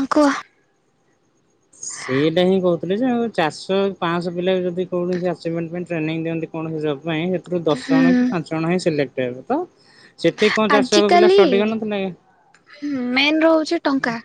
ହଁ କୁହ? ସେଇଟା ହିଁ କହୁଥିଲେ ଯେ ଆଉ ଚାରଶହ ପାଁଶହ ପିଲା ଯଦି କୌଣସି ଆଚିଭମେଣ୍ଟ ପାଇଁ ଟ୍ରେନିଂ ଦିଅନ୍ତି କୌଣସି ଜବ ପାଇଁ ସେଥିରୁ ଦଶ ହୁଁ ଜଣ କି ପାଞ୍ଚ ଜଣ ହିଁ ସିଲେକ୍ଟ ହେବେ ତ ସେଠି କଣ ଚାରିଶ ଯାକ ପିଲା ଆଜିକାଲି ଷ୍ଟଡ଼ି କରିନଥିଲେ? ମେନ୍ ରହୁଛି ଟଙ୍କା।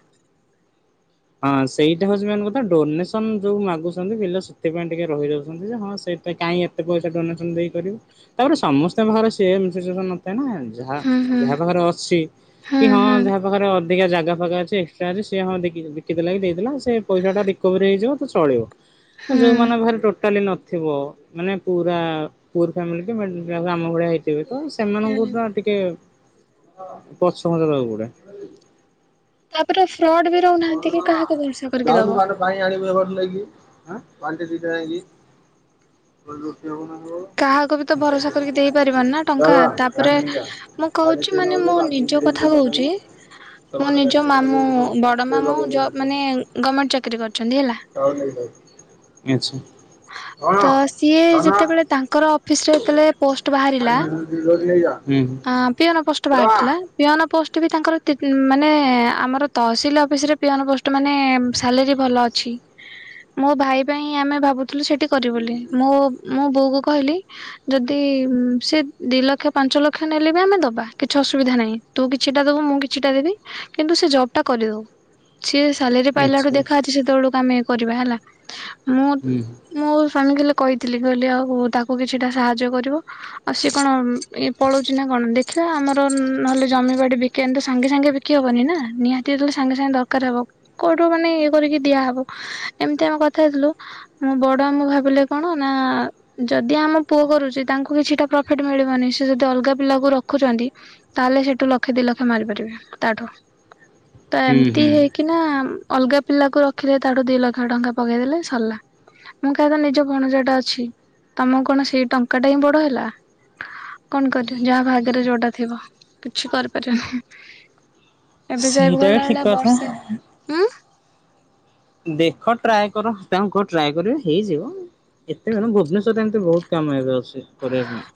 ହଁ ସେଇଟା ହଉଚି ମେନ କଥା ଡୋନେସନ୍ ଯୋଉ ମାଗୁସନ୍ତି ପିଲା ସେଥିପାଇଁ ଟିକେ ରହି ଯାଉଛନ୍ତି ଯେ ହଁ ସେ ତ କାଇଁ ଏତେ ପଇସା ଡୋନେସନ୍ ଦେଇ କରିବୁ ତାପରେ ସମସ୍ତଙ୍କ ଘରେ ସେମ୍ ସିଚୁଏସନ୍ ନଥାଏ ନା? ଯାହା ହୁଁ ହୁଁ ଯାହା ପାଖରେ ଅଛି ହୁଁ କି ହଁ ହୁଁ ଯାହା ପାଖରେ ଅଧିକା ଜାଗା ଫାଗା ଅଛି ଏକ୍ସଟ୍ରା ଅଛି ସିଏ ହଁ ଦେଖିକି ଜଗିବେ। ବିକି ଦେଲେକି ଦେଇଦେଲା ସେ ପଇସାଟା ରିକଭରି ହେଇଯିବ ତ ଚଳିବ ହୁଁ ଯେଉଁମାନଙ୍କ ଘରେ ଟୋଟ ଟାଲି ନଥିବ ମାନେ ପୁରା ପୁଅର୍ ଫ୍ୟାମିଲୀ କି ମିଡିଲ କ୍ଲାସ୍ ଆମ ଭଳିଆ ହେଇଥ ଥିବେ ତ ସେମାନଙ୍କୁ ହୁଁ। ତ ଟିକେ ପଛଘୁଞ୍ଚା ଦବାକୁ ପଡ଼େ। ତାପରେ ଫ୍ରଡ୍ ବି ରହୁନାହାନ୍ତି କି କାହାକୁ ଭରସା କରିକି ଯାଉନୁ ଦବ? ବାଟେ ପାଣି ଆଣିବୁ ଏ ବୋଟଲ ନେଇକି ବାଲ୍ଟି ଦି ଟା ନେଇକି ରୁଟି ହବ [unintelligible] କାହାକୁ ବି ତ ଭରସା କରିକି ଦେଇ ପାରିବାନି ନା ଯା ଟଙ୍କା ଯା ଗାଡି ତାପରେ ନେଇକି ଯା ମୁଁ ଗାଡି କହୁଛି ଚେନ୍ ମାନେ ଲଗେଇବୁ ମୋ ନି ବାଗେଇ ଜ ଧୀରେ ଧୀରେ କଥା ଚଲେଇବୁ କହୁଚି ମୋ ସେମାନେ ଗାଡି ନିଜ ନେଇକି ମାମୁଁ ବଡ଼ ମାମୁଁ ଲଗେଇଦେବେ ଜବ୍ ମାନେ ତାପରେ ଗମେଣ୍ଟ ଚାକିରି କରିଛନ୍ତି ହେଲା। [unintelligible] କଣ ତ ସିଏ ଧନ ଯେତେବେଳେ ତାଙ୍କର ଅଫିସ୍ ରେ ଯେତେବେଳେ ପୋଷ୍ଟ ବାହାରିଲା [unintelligible] ହୁଁ। ଆଁ ପିଅନ ପୋଷ୍ଟ ରହ। ବାହାରଥିଲା। ପିଅନ ପୋଷ୍ଟ ବି ତାଙ୍କର ତି ମାନେ ଆମର ତହସିଲ ଅଫିସ ରେ ପିଅନ ପୋଷ୍ଟ ମାନେ ସାଲେରୀ ଭଲ ଅ ଛି ମୋ ଭାଇ ପାଇଁ ଆମେ ଭାବୁ ଥୁଲୁ ସେଠି କରିବୁ ବୋଲି ମୋ ମୁଁ ବୋଉ କୁ କହିଲି ଯଦି ଉଁ ସେ ଦି ଲକ୍ଷ ପାଞ୍ଚ ଲକ୍ଷ ନେଲେ ବି ଆମେ ଦବା କିଛି ଅସୁବିଧା ନାହିଁ। ତୁ କିଛିଟା ଦବୁ ମୁଁ କିଛିଟା ଦେବି କିନ୍ତୁ ସେ ଜବ୍ ଟା କରିଦଉ। ହ [inaudible] ସିଏ ସାଲେରୀ ପାଇଲା ଠୁ ଦେଖା ଅଛି ସେତବେଳକୁ ଆମେ କରିବା ହେଲା। ମୁଁ ହୁଁ ମୋ ସ୍ଵାମୀ ହେଲେ କହିଥିଲି କହିଲି ଆଉ ତାକୁ କିଛିଟା ସାହାଯ୍ୟ କରିବ। ଆଉ ସିଏ କଣ ଇଏ ପଳଉଚି ନା କଣ ଦେଖିବା ଆମର ନହଲେ ଜମିିବାଡ଼ି ବି କେନ୍ତୁ ସାଙ୍ଗେ ସାଙ୍ଗେ ବିକି ହବନି ନା ନିହାତି ଯେତବଳେ ସାଙ୍ଗେ ସାଙ୍ଗେ ଦରକାର ହେବ। କୋଉଠୁ ମାନେ ଇଏ କରିକି ଦିଆହବ ଏମତି ଆମେ କଥା ହେଇଥୁଲୁ। ମୋ ବଡ଼ ମାମୁଁ ଭାବିଲେ କଣ ନାଁ ଆ ଆ ଯଦି ଆମ ପୁଅ କରୁଚି ତାଙ୍କୁ କିଛିଟା ପ୍ରଫିଟ୍ ମିଳିବନି ସେ ଯଦି ଅଲଗା ପିଲାକୁ ରଖୁଚନ୍ତି ତାହେଲେ ସେଠୁ ଲକ୍ଷେ ଦି ଲକ୍ଷେ ମାରିପାରିବେ ତାଠୁ ତ ହୁଁ ଏମିତି ହୁଁ। ହେଇକି। କି ନା ଅଲଗା ପିଲା କ ରଖିଲେ ତାଠୁ ଦି ଲକ୍ଷ ଟଙ୍କା ପକେଇଦେଲେ ସରିଲା। ମୁଁ ଖାଇ କଣ ନିଜ ଭଣଜାଟା ଅଛି। ତମକୁ କଣ ସେଇ ଟଙ୍କା ଟା ହିଁ ବଡ ହେଲା। କଣ କରିବୁ ଯାହା ଭାଗ୍ୟରେ ଯୋଟା ଥିବ କିଛି କରିପାରିବନି। ଏବେ ଯାଇବି ସେଇଟା ବି ଗଲା ଠିକ ଭଳିଆ କଥା ବର୍ଷେ ଉଁ। ଦେଖ ଟ୍ରାଏ କର ତାଙ୍କୁ କୁହ ଟ୍ରାଏ କରିବେ ହେଇଯିବ। ଏତେ ଜଣ ଭୁବନେଶ୍ୱରରେ ଏମିତି ବହୁତ କାମ ଏବେ ଆସୁଛି କରିବା ପାଇଁ।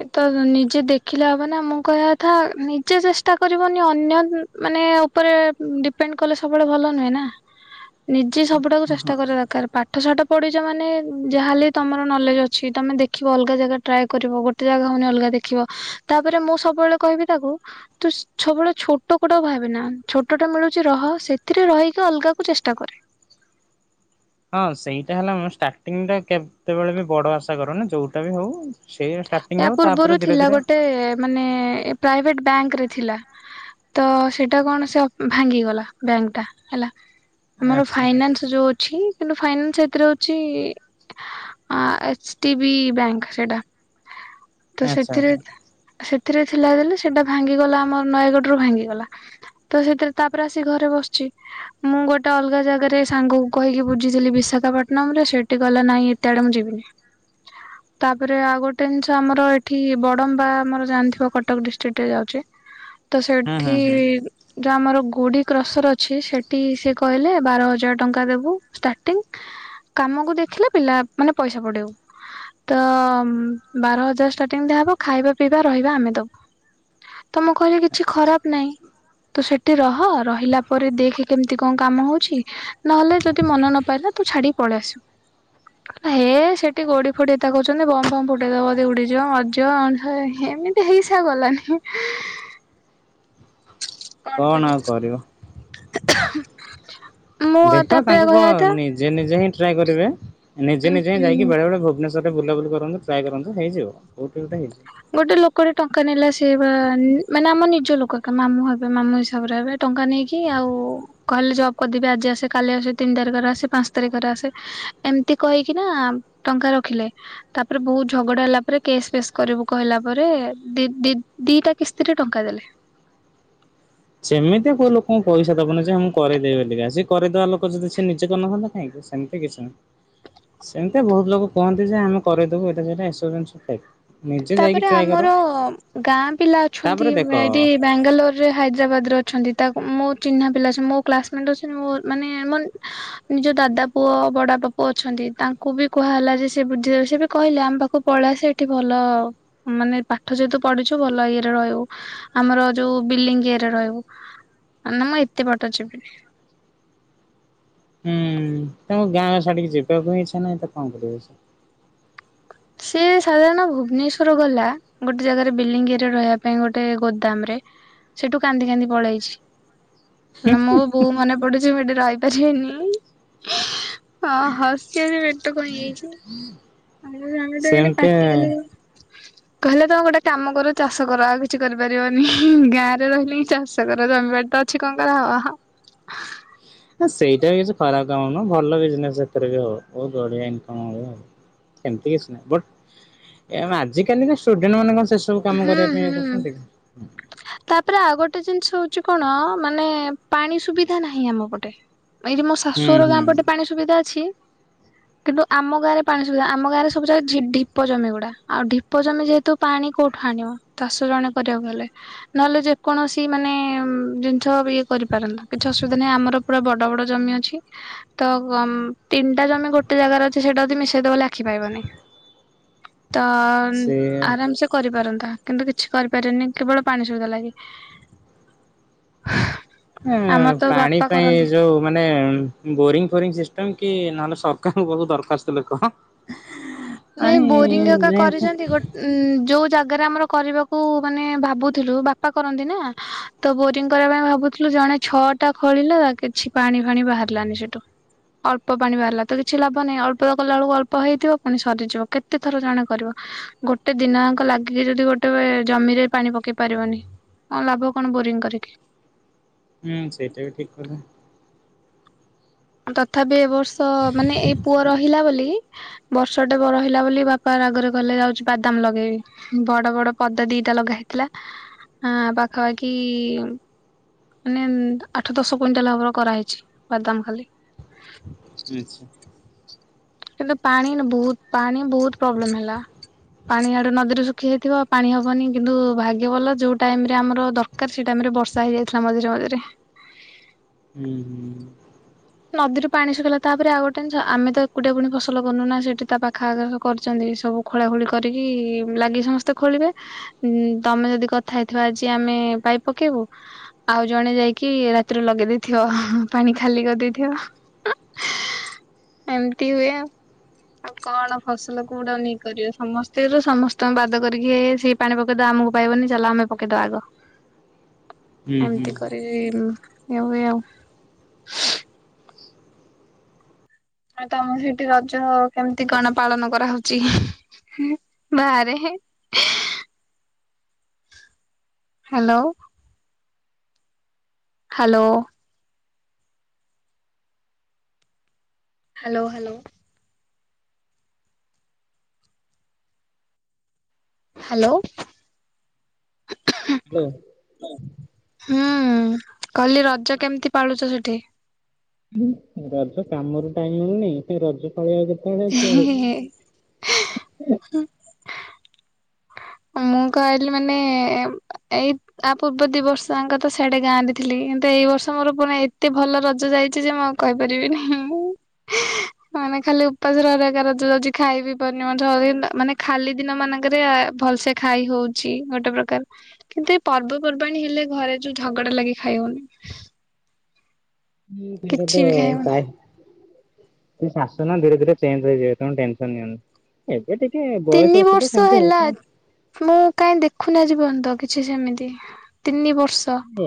ଏ ତ ନିଜେ ଦେଖିଲେ ହବ ନା ମୁଁ କହିବା କଥା ନିଜେ ଚେଷ୍ଟା କରିବନି ଅନ୍ୟ ମାନେ ଉପରେ ଡିପେଣ୍ଡ କଲେ ସବୁବେଳେ ଭଲ ନୁହେଁ ନା। ହ ନିଜେ ସବୁଡାକୁ ଚେଷ୍ଟା କରିବା ଦରକାର ପା ପାଠ ଶାଠ ପଢିଛ ମାନେ ଯାହାହେଲେ ତମର ନଲେଜ ଅଛି ତମେ ଦେଖିବ ଅଲଗା ଜାଗା ଟ୍ରାଏ କରିବ ଗୋଟେ କେତେ ଜାଗା ହଉନି ଅଲଗା ଦେଖିବ ତାପରେ ମୁଁ ସବୁବେଳେ କହିବି ତାକୁ। ତୁ ସବୁବେଳେ ଛୋଟ କୋଉଟା କୁ ଭାବେନା ଛୋଟଟା ମିଳୁଛି ରହ ସେଥିରେ ରହିକି ଅଲଗା କୁ ଚେଷ୍ଟା କରେ। ହଁ ସେଇଟା ହେଲା ମୁଁ ଷ୍ଟାର୍ଟିଂ ରେ କେତେବେଳେ ବି ବଡ ଆଶା କରନି ଯୋଉଟା ବି ହଉ। ସେଇ ଷ୍ଟା ଏହା ପୂର୍ବରୁ ଥିଲା ଗୋଟେ ମାନେ ପ୍ରାଇଭେଟ ବ୍ୟାଙ୍କରେ ଥିଲା। ତ ସେଟା କଣ ସେ ଭାଙ୍ଗିଗଲା ବ୍ୟାଙ୍କ ଟା ହେଲା ଆମର ଆଚ୍ଛା ଫାଇନାନ୍ସ। ଯୋଉ ଅଛି କିନ୍ତୁ ଫାଇନାନ୍ସ ଏଥିରେ ହଉଛି। ଏଚ ଡି ବି ବ୍ୟାଙ୍କ ସେଇଟା। ତ ଆଚ୍ଛା ସେଥିରେ ଆଚ୍ଛା ସେଥିରେ ଥିଲା ଦେଲେ ସେଟା ଭାଙ୍ଗିଗଲା ଆମର ନୟାଗଡ଼ରୁୁ ଭାଙ୍ଗିଗଲା। ତ ସେଥିରେ ତାପରେ ଆସିିକ ଘରେ ବସିଛି। ମୁଁ ଗୋଟେ ଅଲଗା ଜାଗାରେ ସାଙ୍ଗକୁ କହିକି ବୁଝିଥିଲି ବିଶାଖାପଟନମ ରେ ସେଇଠି ଗଲା ନାଇଁ ଏତେ ଆଡେ ମୁଁ ଯିବିନି। ହୁଁ। ତାପରେ ଆଉ ଗୋ ଆମର ଏଠି ବଡମ୍ବା ଆମର ଜାଣିଥିବା କଟକ ଡିଷ୍ଟ୍ରିକ୍ଟ ରେ ଯାଉଛି। ତ ହୁଁ ହୁଁ ସେଠି ହୁଁ ଯୋଉ ଆମର ଗୁଡି କ୍ରସର ଅଛି ସେଠି ସେ କହିଲେ ବାର ହଜାର ଟଙ୍କା ଦବୁ ଷ୍ଟାଟିଂ। କାମକୁ ଦେଖିଲେ ପିଲା ମାନେ ପଇସା ବଢ଼େଇବୁ ତ ବାର ହଜାର ଷ୍ଟାର୍ଟିଂ ଟା ହବ ଖାଇବା ପିଇବା ରହିବା ଆମେ ଦବୁ। ତ ମୁଁ କହିଲି କିଛି ଖରାପ ନାହିଁ। ତୁ ସେଠି ରହ ରହିଲା ପରେ ଦେଖ କେମିତି କଣ କାମ ହଉଛି ନହେଲେ ଯଦି ମନ ନପାଲା। ତୁ ଛାଡି ପଳେଇ ଆସି ହ ହେ ସେଠି ଗୋଡି ଫୋଡି ଏତେ କହୁଛନ୍ତି ବମ ଫମ୍ ପ ପକେଇ ଦବ ଯଦି ଉଡ଼ିଯିବ ମରିଯିବ ଏମିତି ହେଇ ସେ ଆଉ ଗଲାନି। କଣ ଆଉ କରିବ। ମୁଁ ଦେଖ ତାପରେ ତାଙ୍କୁ କ କହିବା କଥା ନିଜେ ନିଜେ ହିଁ ଟ୍ରାଏ କରିବେ ନିଜେ ନିଜେ ହିଁ ଉଁ ଯାଇକି ବେଳେ ବେଳେ ଭୁବନେଶ୍ ରେ ବୁଲା କରନ୍ତୁ ଟ୍ରା କରୁନ୍ତୁ ହେଇଯିବ କୋଉଠି ଗୋଟେ ହେଇଯିବ। ଗୋଟେ ଲୋକଟେ ଟଙ୍କା ନେଲା ସେ ବା ମାନେ ଆମ ନିଜ ଲୋକ ମାମୁଁ ହେବେ ମାମୁ ହିସାବରେ ହେବେ। ଟଙ୍କା ନେଇକି ଆଉ କହଲେ ଜବ୍ କରିଦେବି ଆଜି ଆସେ କାଲି ଆସେ ତିନି ତାରି ଘରେ ଆସେ ପାଞ୍ଚ ତାରିଖ ଘରେ ଆସେ। ଏମିତି କହିକି ନା ଟଙ୍କା ରଖିଲେ। ତାପରେ ବହୁତ ଝଗଡା ହେଲା ପରେ କେସ୍ ଫେସ୍ କରିବୁ। କହିଲା ପରେ ଦି ଦି ଦିଟା କିସ୍ତିରେ ଟଙ୍କା ଦେଲେ। ସେମିତିଆ କୋଉ ଲୋକଙ୍କୁ ପଇସା ଦବନି ଯେ ମୁଁ କରିଦବି ବୋଲିିକା। ସେ କରିଦେବା ଲୋକ ଯଦି ସେ ନିଜେ କରି ନଥାନ୍ତା କାହିଁକି? ସେମିତି କିଛି ନାହିଁ। ସେମିତି ବହୁତ ଲୋକ କୁହନ୍ତି ଯେ ଆମେ କରେଇ ଦବୁ ଏଟା ସେଟାଏସବୁ ଜିନିଷ କହିବେ। ତାପରେ ଆମର ଗାଁ ପିଲା ଅଛନ୍ତି ତାପରେ ଦେଖ ଏଠି। ବାେଙ୍ଗାଲୋର ରେ ହାଇଦ୍ରାବାଦ ରେ ଅଛନ୍ତି ତାକୁ ମୋ ଚିହ୍ନା ପିଲାସେ ମୋ କ୍ଲାସମେଟ ଅଛନ୍ତି ମୋ ମାନେଆମ ନିଜ ଦାଦା ପୁଅ ବଡ ବାପା ପୁଅ ଅଛନ୍ତି ତାଙ୍କୁ ବି କୁହା ହେଲା ଯେ ସେ ବୁଝିଦେବେ ସେ ବି କହିଲେ ଆମ ପାଖକୁ ପଳେଇ ଆସେ। ଏଠ ଭଲ ମାନେ ପାଠ ଯେହେତୁ ପଢିଛୁ ଭଲ ଇଏରେ ରହିବୁ। ଆମର ଯୋଉ ବିଲିଙ୍ଗି ଇଏରେ ରହିବୁ ମାନେ ମୁଁ ଏତେ ବାଟ ଯିବି। ହୁଁ ତମ ଗାଁଛାଡିକି ଯିବାକୁ ଇଚ୍ଛା ନାହିଁ ତ କଣ କରିବ ସେ? ସେ ସାଧାରଣ ଭୁବନେଶ୍ଵର ଗଲା। ଗୋଟେ ଜାଗାରେ ବଲିଙ୍ଗି ଇଏ ରେ ରହିବା ପାଇଁ ଗୋଟେ ଗୋଦାମ ରେ। ସେଠୁ କାନ୍ଦି କାନ୍ଦି ପଳେଇ ଆଇଚି। ମ ମୁଁ ବୋଉ ମନେ ପଡୁଚି ମୁଁ ଏଠି ରହିପାରିବିନି। ହଁ ହସି ହସି ପେଟ କଣ ହେଇଯାଇଚି? ସେନ୍ତି [inaudible] କଲେ କହିଲେ ତମେ ଗୋଟେ କାମ କର ଚାଷ କର ଆଉ କିଛି କରିପାରିବନି ଗାଁ ରେ ରହିଲେ ହି ଚାଷ କର ଜମିବାର ତ ଛିିକଣଙ୍କା ହବାଁ [inaudible] ହ ସେଇଟା ବି କିଛି ଖରାପ କାମ ନୁହଁ ଭଲ ବିଜନେସ ଏଥିରେ ବି ହବ ବହୁତ ବଢିଆ ଇନକମ ହବ। ସେମିତି କିଛି ନାହିଁ ବଟ ଏମ ଆଜି କାଲିକା ଷ୍ଟଡେଣ୍ଟ ମାନେ କଣ ସେସବୁ ସବୁ କାମ ହୁଁ କରିବା ପାଇଁ ଇଏ ହୁଁ। କରୁଛନ୍ତି। ତାପରେ ଆଉ ଗୋଟେ ଜିନିଷ ହଉଚି କଣ? ମାନେ ପାଣି ସୁବିଧା ନାହିଁ ଆମ ପଟେ। ଏଇଠି ମୋ ହୁଁ ଶାଶୁର ଗାଁ ହୁଁ ପଟେ ପାଣି ସୁବିଧା ଅଛି। କିନ୍ତୁ ଆମ ଗାଁରେ ପାଣି ସୁବିଧା ଆମ ଗାଁରେ ସବୁ ଜାଗା ଝିପ ଢିପ ଜମି ଗୁଡା ଆଉ ଢ଼ିପ ଜମି ଯେହେତୁ ପାଣି କଉଠୁ ଠୁଆଣିବ ଚାଷ ଜଣେ କରିବାକୁ ହେଲେ। ନହେଲେ ଯେକୌଣସି ମାନେ ଜିନିଷ ଇଏ କରିପାରନ୍ତ କିଛି ଅସୁବିଧା ନାହିଁ ଆମର ପୁରା ବଡ ବଡ ଜମି ଅଛି। ତ ତିନିଟା ଜମି ଗୋଟେ ଜାଗାରେ ଅଛି ସେଇଟା ଯଦି ମିଶେଇଦବ ବୋଲି ଆଖି ପାଇବନି। ତ ସେ ଆରାମ ସେ କରିପାରନ୍ତା କିନ୍ତୁ କିଛି କରିପାରନି କେବଳ ପାଣି ସୁବିଧା ଲାଗି। ଆମର ତ ପାଣି ବାପା ପାଇଁ କରନ୍ତି ଯୋଉ ମାନେ। ବୋରିଙ୍ଗ ଫୋରିଙ୍ଗ ସିଷ୍ଟମ କି ନହେଲେ ସରକାରଙ୍କୁ ବହୁତ ଦରଖାସ୍ତ ଲେଖ। ନାଇଁ ପାଣି ବୋରିଂ ଏକା ଯେମତି କରିଛନ୍ତି ଗୋଟେ ଉଁ ଯୋଉ ଜାଗାରେ ଆମର କରିବାକୁ ମାନେ ଭାବୁଥିଲୁ ବାପା କରନ୍ତି ନା। ତ ବୋରିଂ କରିବା ପାଇଁ ଭାବୁଥିଲୁ ଜଣେ ଛଅଟା ଖୋଳିଲା କିଛି ପାଣି ଫାଣି ବାହାରିଲାନି ସେଠୁ। ଅଳ୍ପ ପାଣି ବାହାରିଲା ତ କିଛି ଲାଭ ନାହିଁ ଅଳ୍ପ କଲା ବେଳକୁ ଅଳ୍ପ ହେଇଥିବ। ପୁଣି ସରିଯିବ କେତେ ଥର ଜଣେ କରିବ ଗୋଟେ ଦିନାଙ୍କ ଲାଗିକି ଯଦି ଗୋଟେ ଜମିରେ ପାଣି ପକେଇ ପାରିବନି କଣ ଲାଭ କଣ ବୋରିଂ କରିକି। ହୁଁ ସେଇଟା ବି ଠିକ୍ କଥା। ମୁଁ ତଥାପି ଏ ବର୍ଷ ମାନେ ଏଇ ପୁଅ ରହିଲା ବୋଲି। ବର୍ଷ ଟେ ପୁଅ ରହିଲା ବୋଲି ବାପା ରାଗରେ କହିଲେ ଯାଉଚି ବାଦାମ ଲଗେଇବି। ବଡ ବଡ ପଦା ଦିଟା ଲଗା ହେଇଥିଲା ଆ ପାଖାପାଖି ମାନେ ଆଠ ଦଶ କୁଇଣ୍ଟାଲ ହବର କରାହେଇଚି ବାଦାମ ଖାଲି। ଆଚ୍ଛା [inaudible] କିନ୍ତୁ ପାଣି ବହୁତ ପାଣି ବହୁତ ପ୍ରୋବ୍ଲେମ ହେଲା। ପାଣି ଆଡେ ନଦୀରେ ଶୁଖି ଯାଇଥିବ ପାଣି ହବନି କିନ୍ତୁ ଭାଗ୍ୟ ଭଲ ଯୋଉ ଟାଇମ୍ ରେ ଆମର ଦର ଦରକାର୍ ସେଇ ଟାଇମ୍ ବର୍ଷା ହେଇଯାଇଥିଲା ମଝିରେ ମଝିରେ। ହୁଁ, ହୁଁ। ନଦୀରୁ ପାଣି ଶୁଖେଇଲା ତାପରେ ଆଉ ଗୋଟେ ଜିନିଷ ଆମେ ତ ଏକୁଟିଆ ପୁଣି ଫସଲ କରନୁ ନା ସେଠି ତା ପାଖ ଆଗ କରିଛନ୍ତି ସବୁ। ଖୋଳା ଖୋଳି କରିକି ଲାଗି ସମସ୍ତେ ଖୋଳିବେ ଉଁ ତମେ ଯଦି କଥା ହେଇଥିବ ଆଜି ଆମେ ପାଇପ୍ ପକେଇବୁ ଆଉ ଜଣେ ଯାଇକି ରାତିରେ ଲଗେଇ ଦେଇେଥିବ ପାଣି ଖାଲି କରିଦେଇ [unintelligible] ଥିବ [unintelligible] ଏମିତି ହୁଏ ଆଉ। ଆଉ କଣ ଫସଲ କୋଉଟା ନେଇ କରିବ ସମସ୍ତେ ସମସ୍ତଙ୍କୁ ବାଦ କରିକି ଏ ସେଇ ପାଣି ପକେଇଦବା ଆମକୁ ପାଇବନି ଚାଲ ଆମେ ପକେଇଦବା ଆଗ। [inaudible] ହୁଁ ହୁଁ ଏମିତି କରିକୀ ଇଏ ହୁଏ ଆଉ। ଆଉ ତମ ସେଇଠି ରଜ କେମିତି କଣ ପାଳନ କରାହଉଛି ବାହାରେ [unintelligible] hello. Hello. Hello hello. Hello. Hello. [unintelligible] ହୁଁ କହିଲି ରଜ କେମିତି ପାଳୁଛ ସେଠି? ହୁଁ, ରଜ କାମରୁ ଟାଇମ୍ ମିଳୁନି ସେ ରଜ ପାଳିବା କେତେବେଳେ ସେ ମୁଁ କହିଲି ମାନେ ଏଇ ଆ ପୂର୍ବ ଦି ବର୍ଷ ଯାଙ୍କ ତ ସେଆଡେ ଗାଁରେ ଥିଲି କିନ୍ତୁ ଏଇ ବର୍ଷ ମୋର ପୁଣି ଏତେ ଭଲ ରଜ ଯାଇଛି ଯେଁ ମୁଁ କହି ପାରିବିନି ହିଁ। [inaudible] ମାନେ ଖାଲି ଉପାସ ରହି ରହିକା ରଜ ଯାଉଛି ଖାଇ ବିି ପାରୁନି ମଣିଷ ମାନେ ଖାଲି ଦିନ ମାନଙ୍କରେ ଭଲ୍ ସେ ଖାଇ ହଉଛି ଗୋଟେ ପ୍ରକାର। କିନ୍ତୁ ଏ ପର୍ବପର୍ବାଣୀ ହେଲେ ଘରେ ଯୋଉ ଝଗଡା ଲାଗି ଖାଇ ହଉନି। ହୁଁ କିଛି ପେରପା ବି ଖାଇ ହଉନି କାୟ [unintelligible] ସେ ଶାଶୁ ନା ଧୀରେ ଧୀରେ ଚେଞ୍ଜ ହେଇଯିବେ ତମେ ଟେନସନ୍ ନିଅନି। ଏବେ ଟିକେ ତିନି ବୟସ ଅଛି ତ ବର୍ଷ ସେମିତି ହେଲା ହଉଛନ୍ତି। ମୁଁ କାଇଁ ଦେଖୁନି ଆଜି ପର୍ଯ୍ୟନ୍ତ କିଛି ସେମିତି ତିନି ବର୍ଷ ହୁଁ,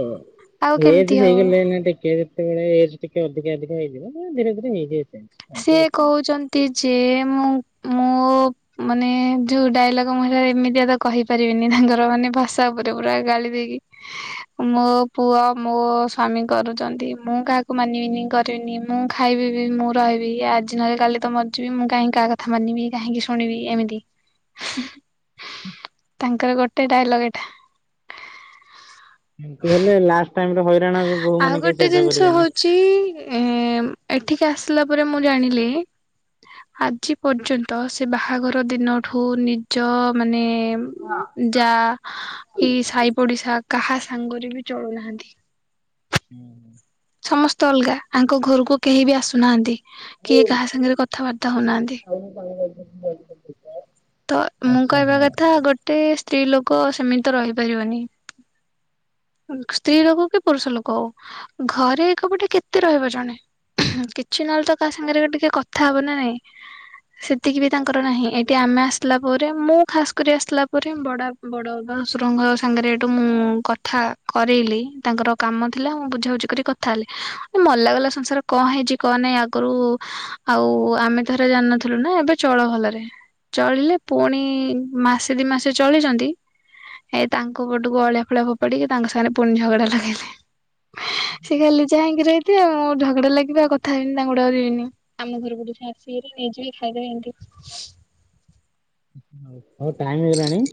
ଆଉ ଏଜ୍ କେମିତି ହବ ହେଇଗଲେ ନା ଟିକେ ସେତବେଳେ ଏଜ୍ ଟିକେ ଅଧିକା ଅଧିକା ହେଇଯିବ ନା ଧୀରେ ଧୀରେ ହେଇଯିବେ ସେ। ସେ କହୁଛନ୍ତି ଯେ ମୁଁ ମୁ ମୋ ମାନେ ଯୋଉ ଡାଇଲଗ ମୁଁ ସେଟା ଏମିତିଆ ତ କହିପାରିବିନି ତାଙ୍କର ମାନେ ଭାଷା ଉପରେ ପୁରା ଗାଳି ଦେଇକି ମୋ ପୁଅ ମୋ ସ୍ଵାମୀ କରୁଛନ୍ତି ମୁଁ କାହାକୁ ମାନିବିନି କରି କଟିନି ମୁଁ ଖାଇବି ବି ମୁଁ ଟି ରହିବି ଆଜି ନହେଲେ କାଲି ତ ମରିଯିବି ମୁଁ କାହିଁ କାହା କଥା ମାନିବି କାହିଁକି ଶୁଣିବି ଏମିତି। ତାଙ୍କର ଗୋଟେ ଡାଇଲଗ୍ ଏଇଟା। ଏମତି ହେଲେ ଲାଷ୍ଟ ଟାଇମ୍ ରେ ହଇରାଣ ହେବେ ବୋହୂ ଆଉ ମାନେ କେହି ସେବା କରିବେନି। ସେ ଏଠିକି ଆସିଲା ପରେ ମୁଁ ଜାଣିଲି ଆଜି ପର୍ଯ୍ୟନ୍ତ ସେ ବାହାଘର ଦିନଠୁ ନିଜ ମାନେ ମା [unintelligible] ଜା କି ସାହି ପଡ଼ିଶା କାହା ସାଙ୍ଗରେ ବି ଚଳୁ ନାହାନ୍ତି। ହୁଁ ହୁଁ [inaudible] ସମସ୍ତେ ଅଲଗା ୟାଙ୍କ ଘରକୁ କେହି ବି ଆସୁନାହାନ୍ତି କିଏ କାହା ସାଙ୍ଗରେ କଥାବାର୍ତ୍ତା ହଉନାହାନ୍ତି। ତ ମୁଁ କହିବା [inaudible] କଥା ଗୋଟେ ସ୍ତ୍ରୀ ଲୋକ ସେମିତି ତ ରହିପାରିବନି। ସ୍ତ୍ରୀ ଲୋକ କି ପୁରୁଷ ଲୋକ ହଉ ଘରେ ଏକାପଟେ କେତେ ରହିବ ଜଣେ। କିଛି ନହେଲେ ତ କାହା ସାଙ୍ଗରେ ଟିକେ କଥା ହବ ନା ନାଇଁ। ସେତିକି ବି ତାଙ୍କର ନାହିଁ ଏଇଟି ଆମେ ଆସିଲା ପରେ ମୁଁ ଖାସ୍ କରି ଆସିଲା ପରେ ବଡା ବଡ ବାବା ଶଶୁରଙ୍କ ସାଙ୍ଗରେ ହେଠୁ ମୁଁ କଥା କରେଇଲି ତାଙ୍କର କାମ ଥିଲା ମୁଁ ବୁଝାବୁଝି କରି କଥା ହେଲି ଏ ମଲା ଗଲା ସଂସାର କଣ ହେଇଚି କଣ ନାଇଁ ଆଗରୁ ଆଉ ଆମେ [inaudible] ଜାଣିନଥିଲୁ ନା ଏବେ ଚଳ ଭଲରେ। ଚଳିଲେ ପୁଣି ମାସେ ଦି ମାସେ ଚଳିଚନ୍ତି ଏ ତାଙ୍କ ପଟକୁ ଅଳିଆ ଫଳିଆ ଫୋପାଡିକି ତାଙ୍କ ସାଙ୍ଗରେ ପୁଣି ଝଗଡା ଲଗେଇଲେ। ସେ ଖାଲି ଚାଇଁକି ରହିଥିବେ ମୁଁ ଝଗଡା ଲାଗିବା କଥା ହେବି ତାଙ୍କୁ ଡରିବିନି। ଆମ ଘର ପଟକୁ ଆସିବେ ହେରି ନେଇଯିବେ ଖାଇଦେବେ ଏମତି ହଉ ହଉ ଟାଇମ ହେଇଗଲାଣି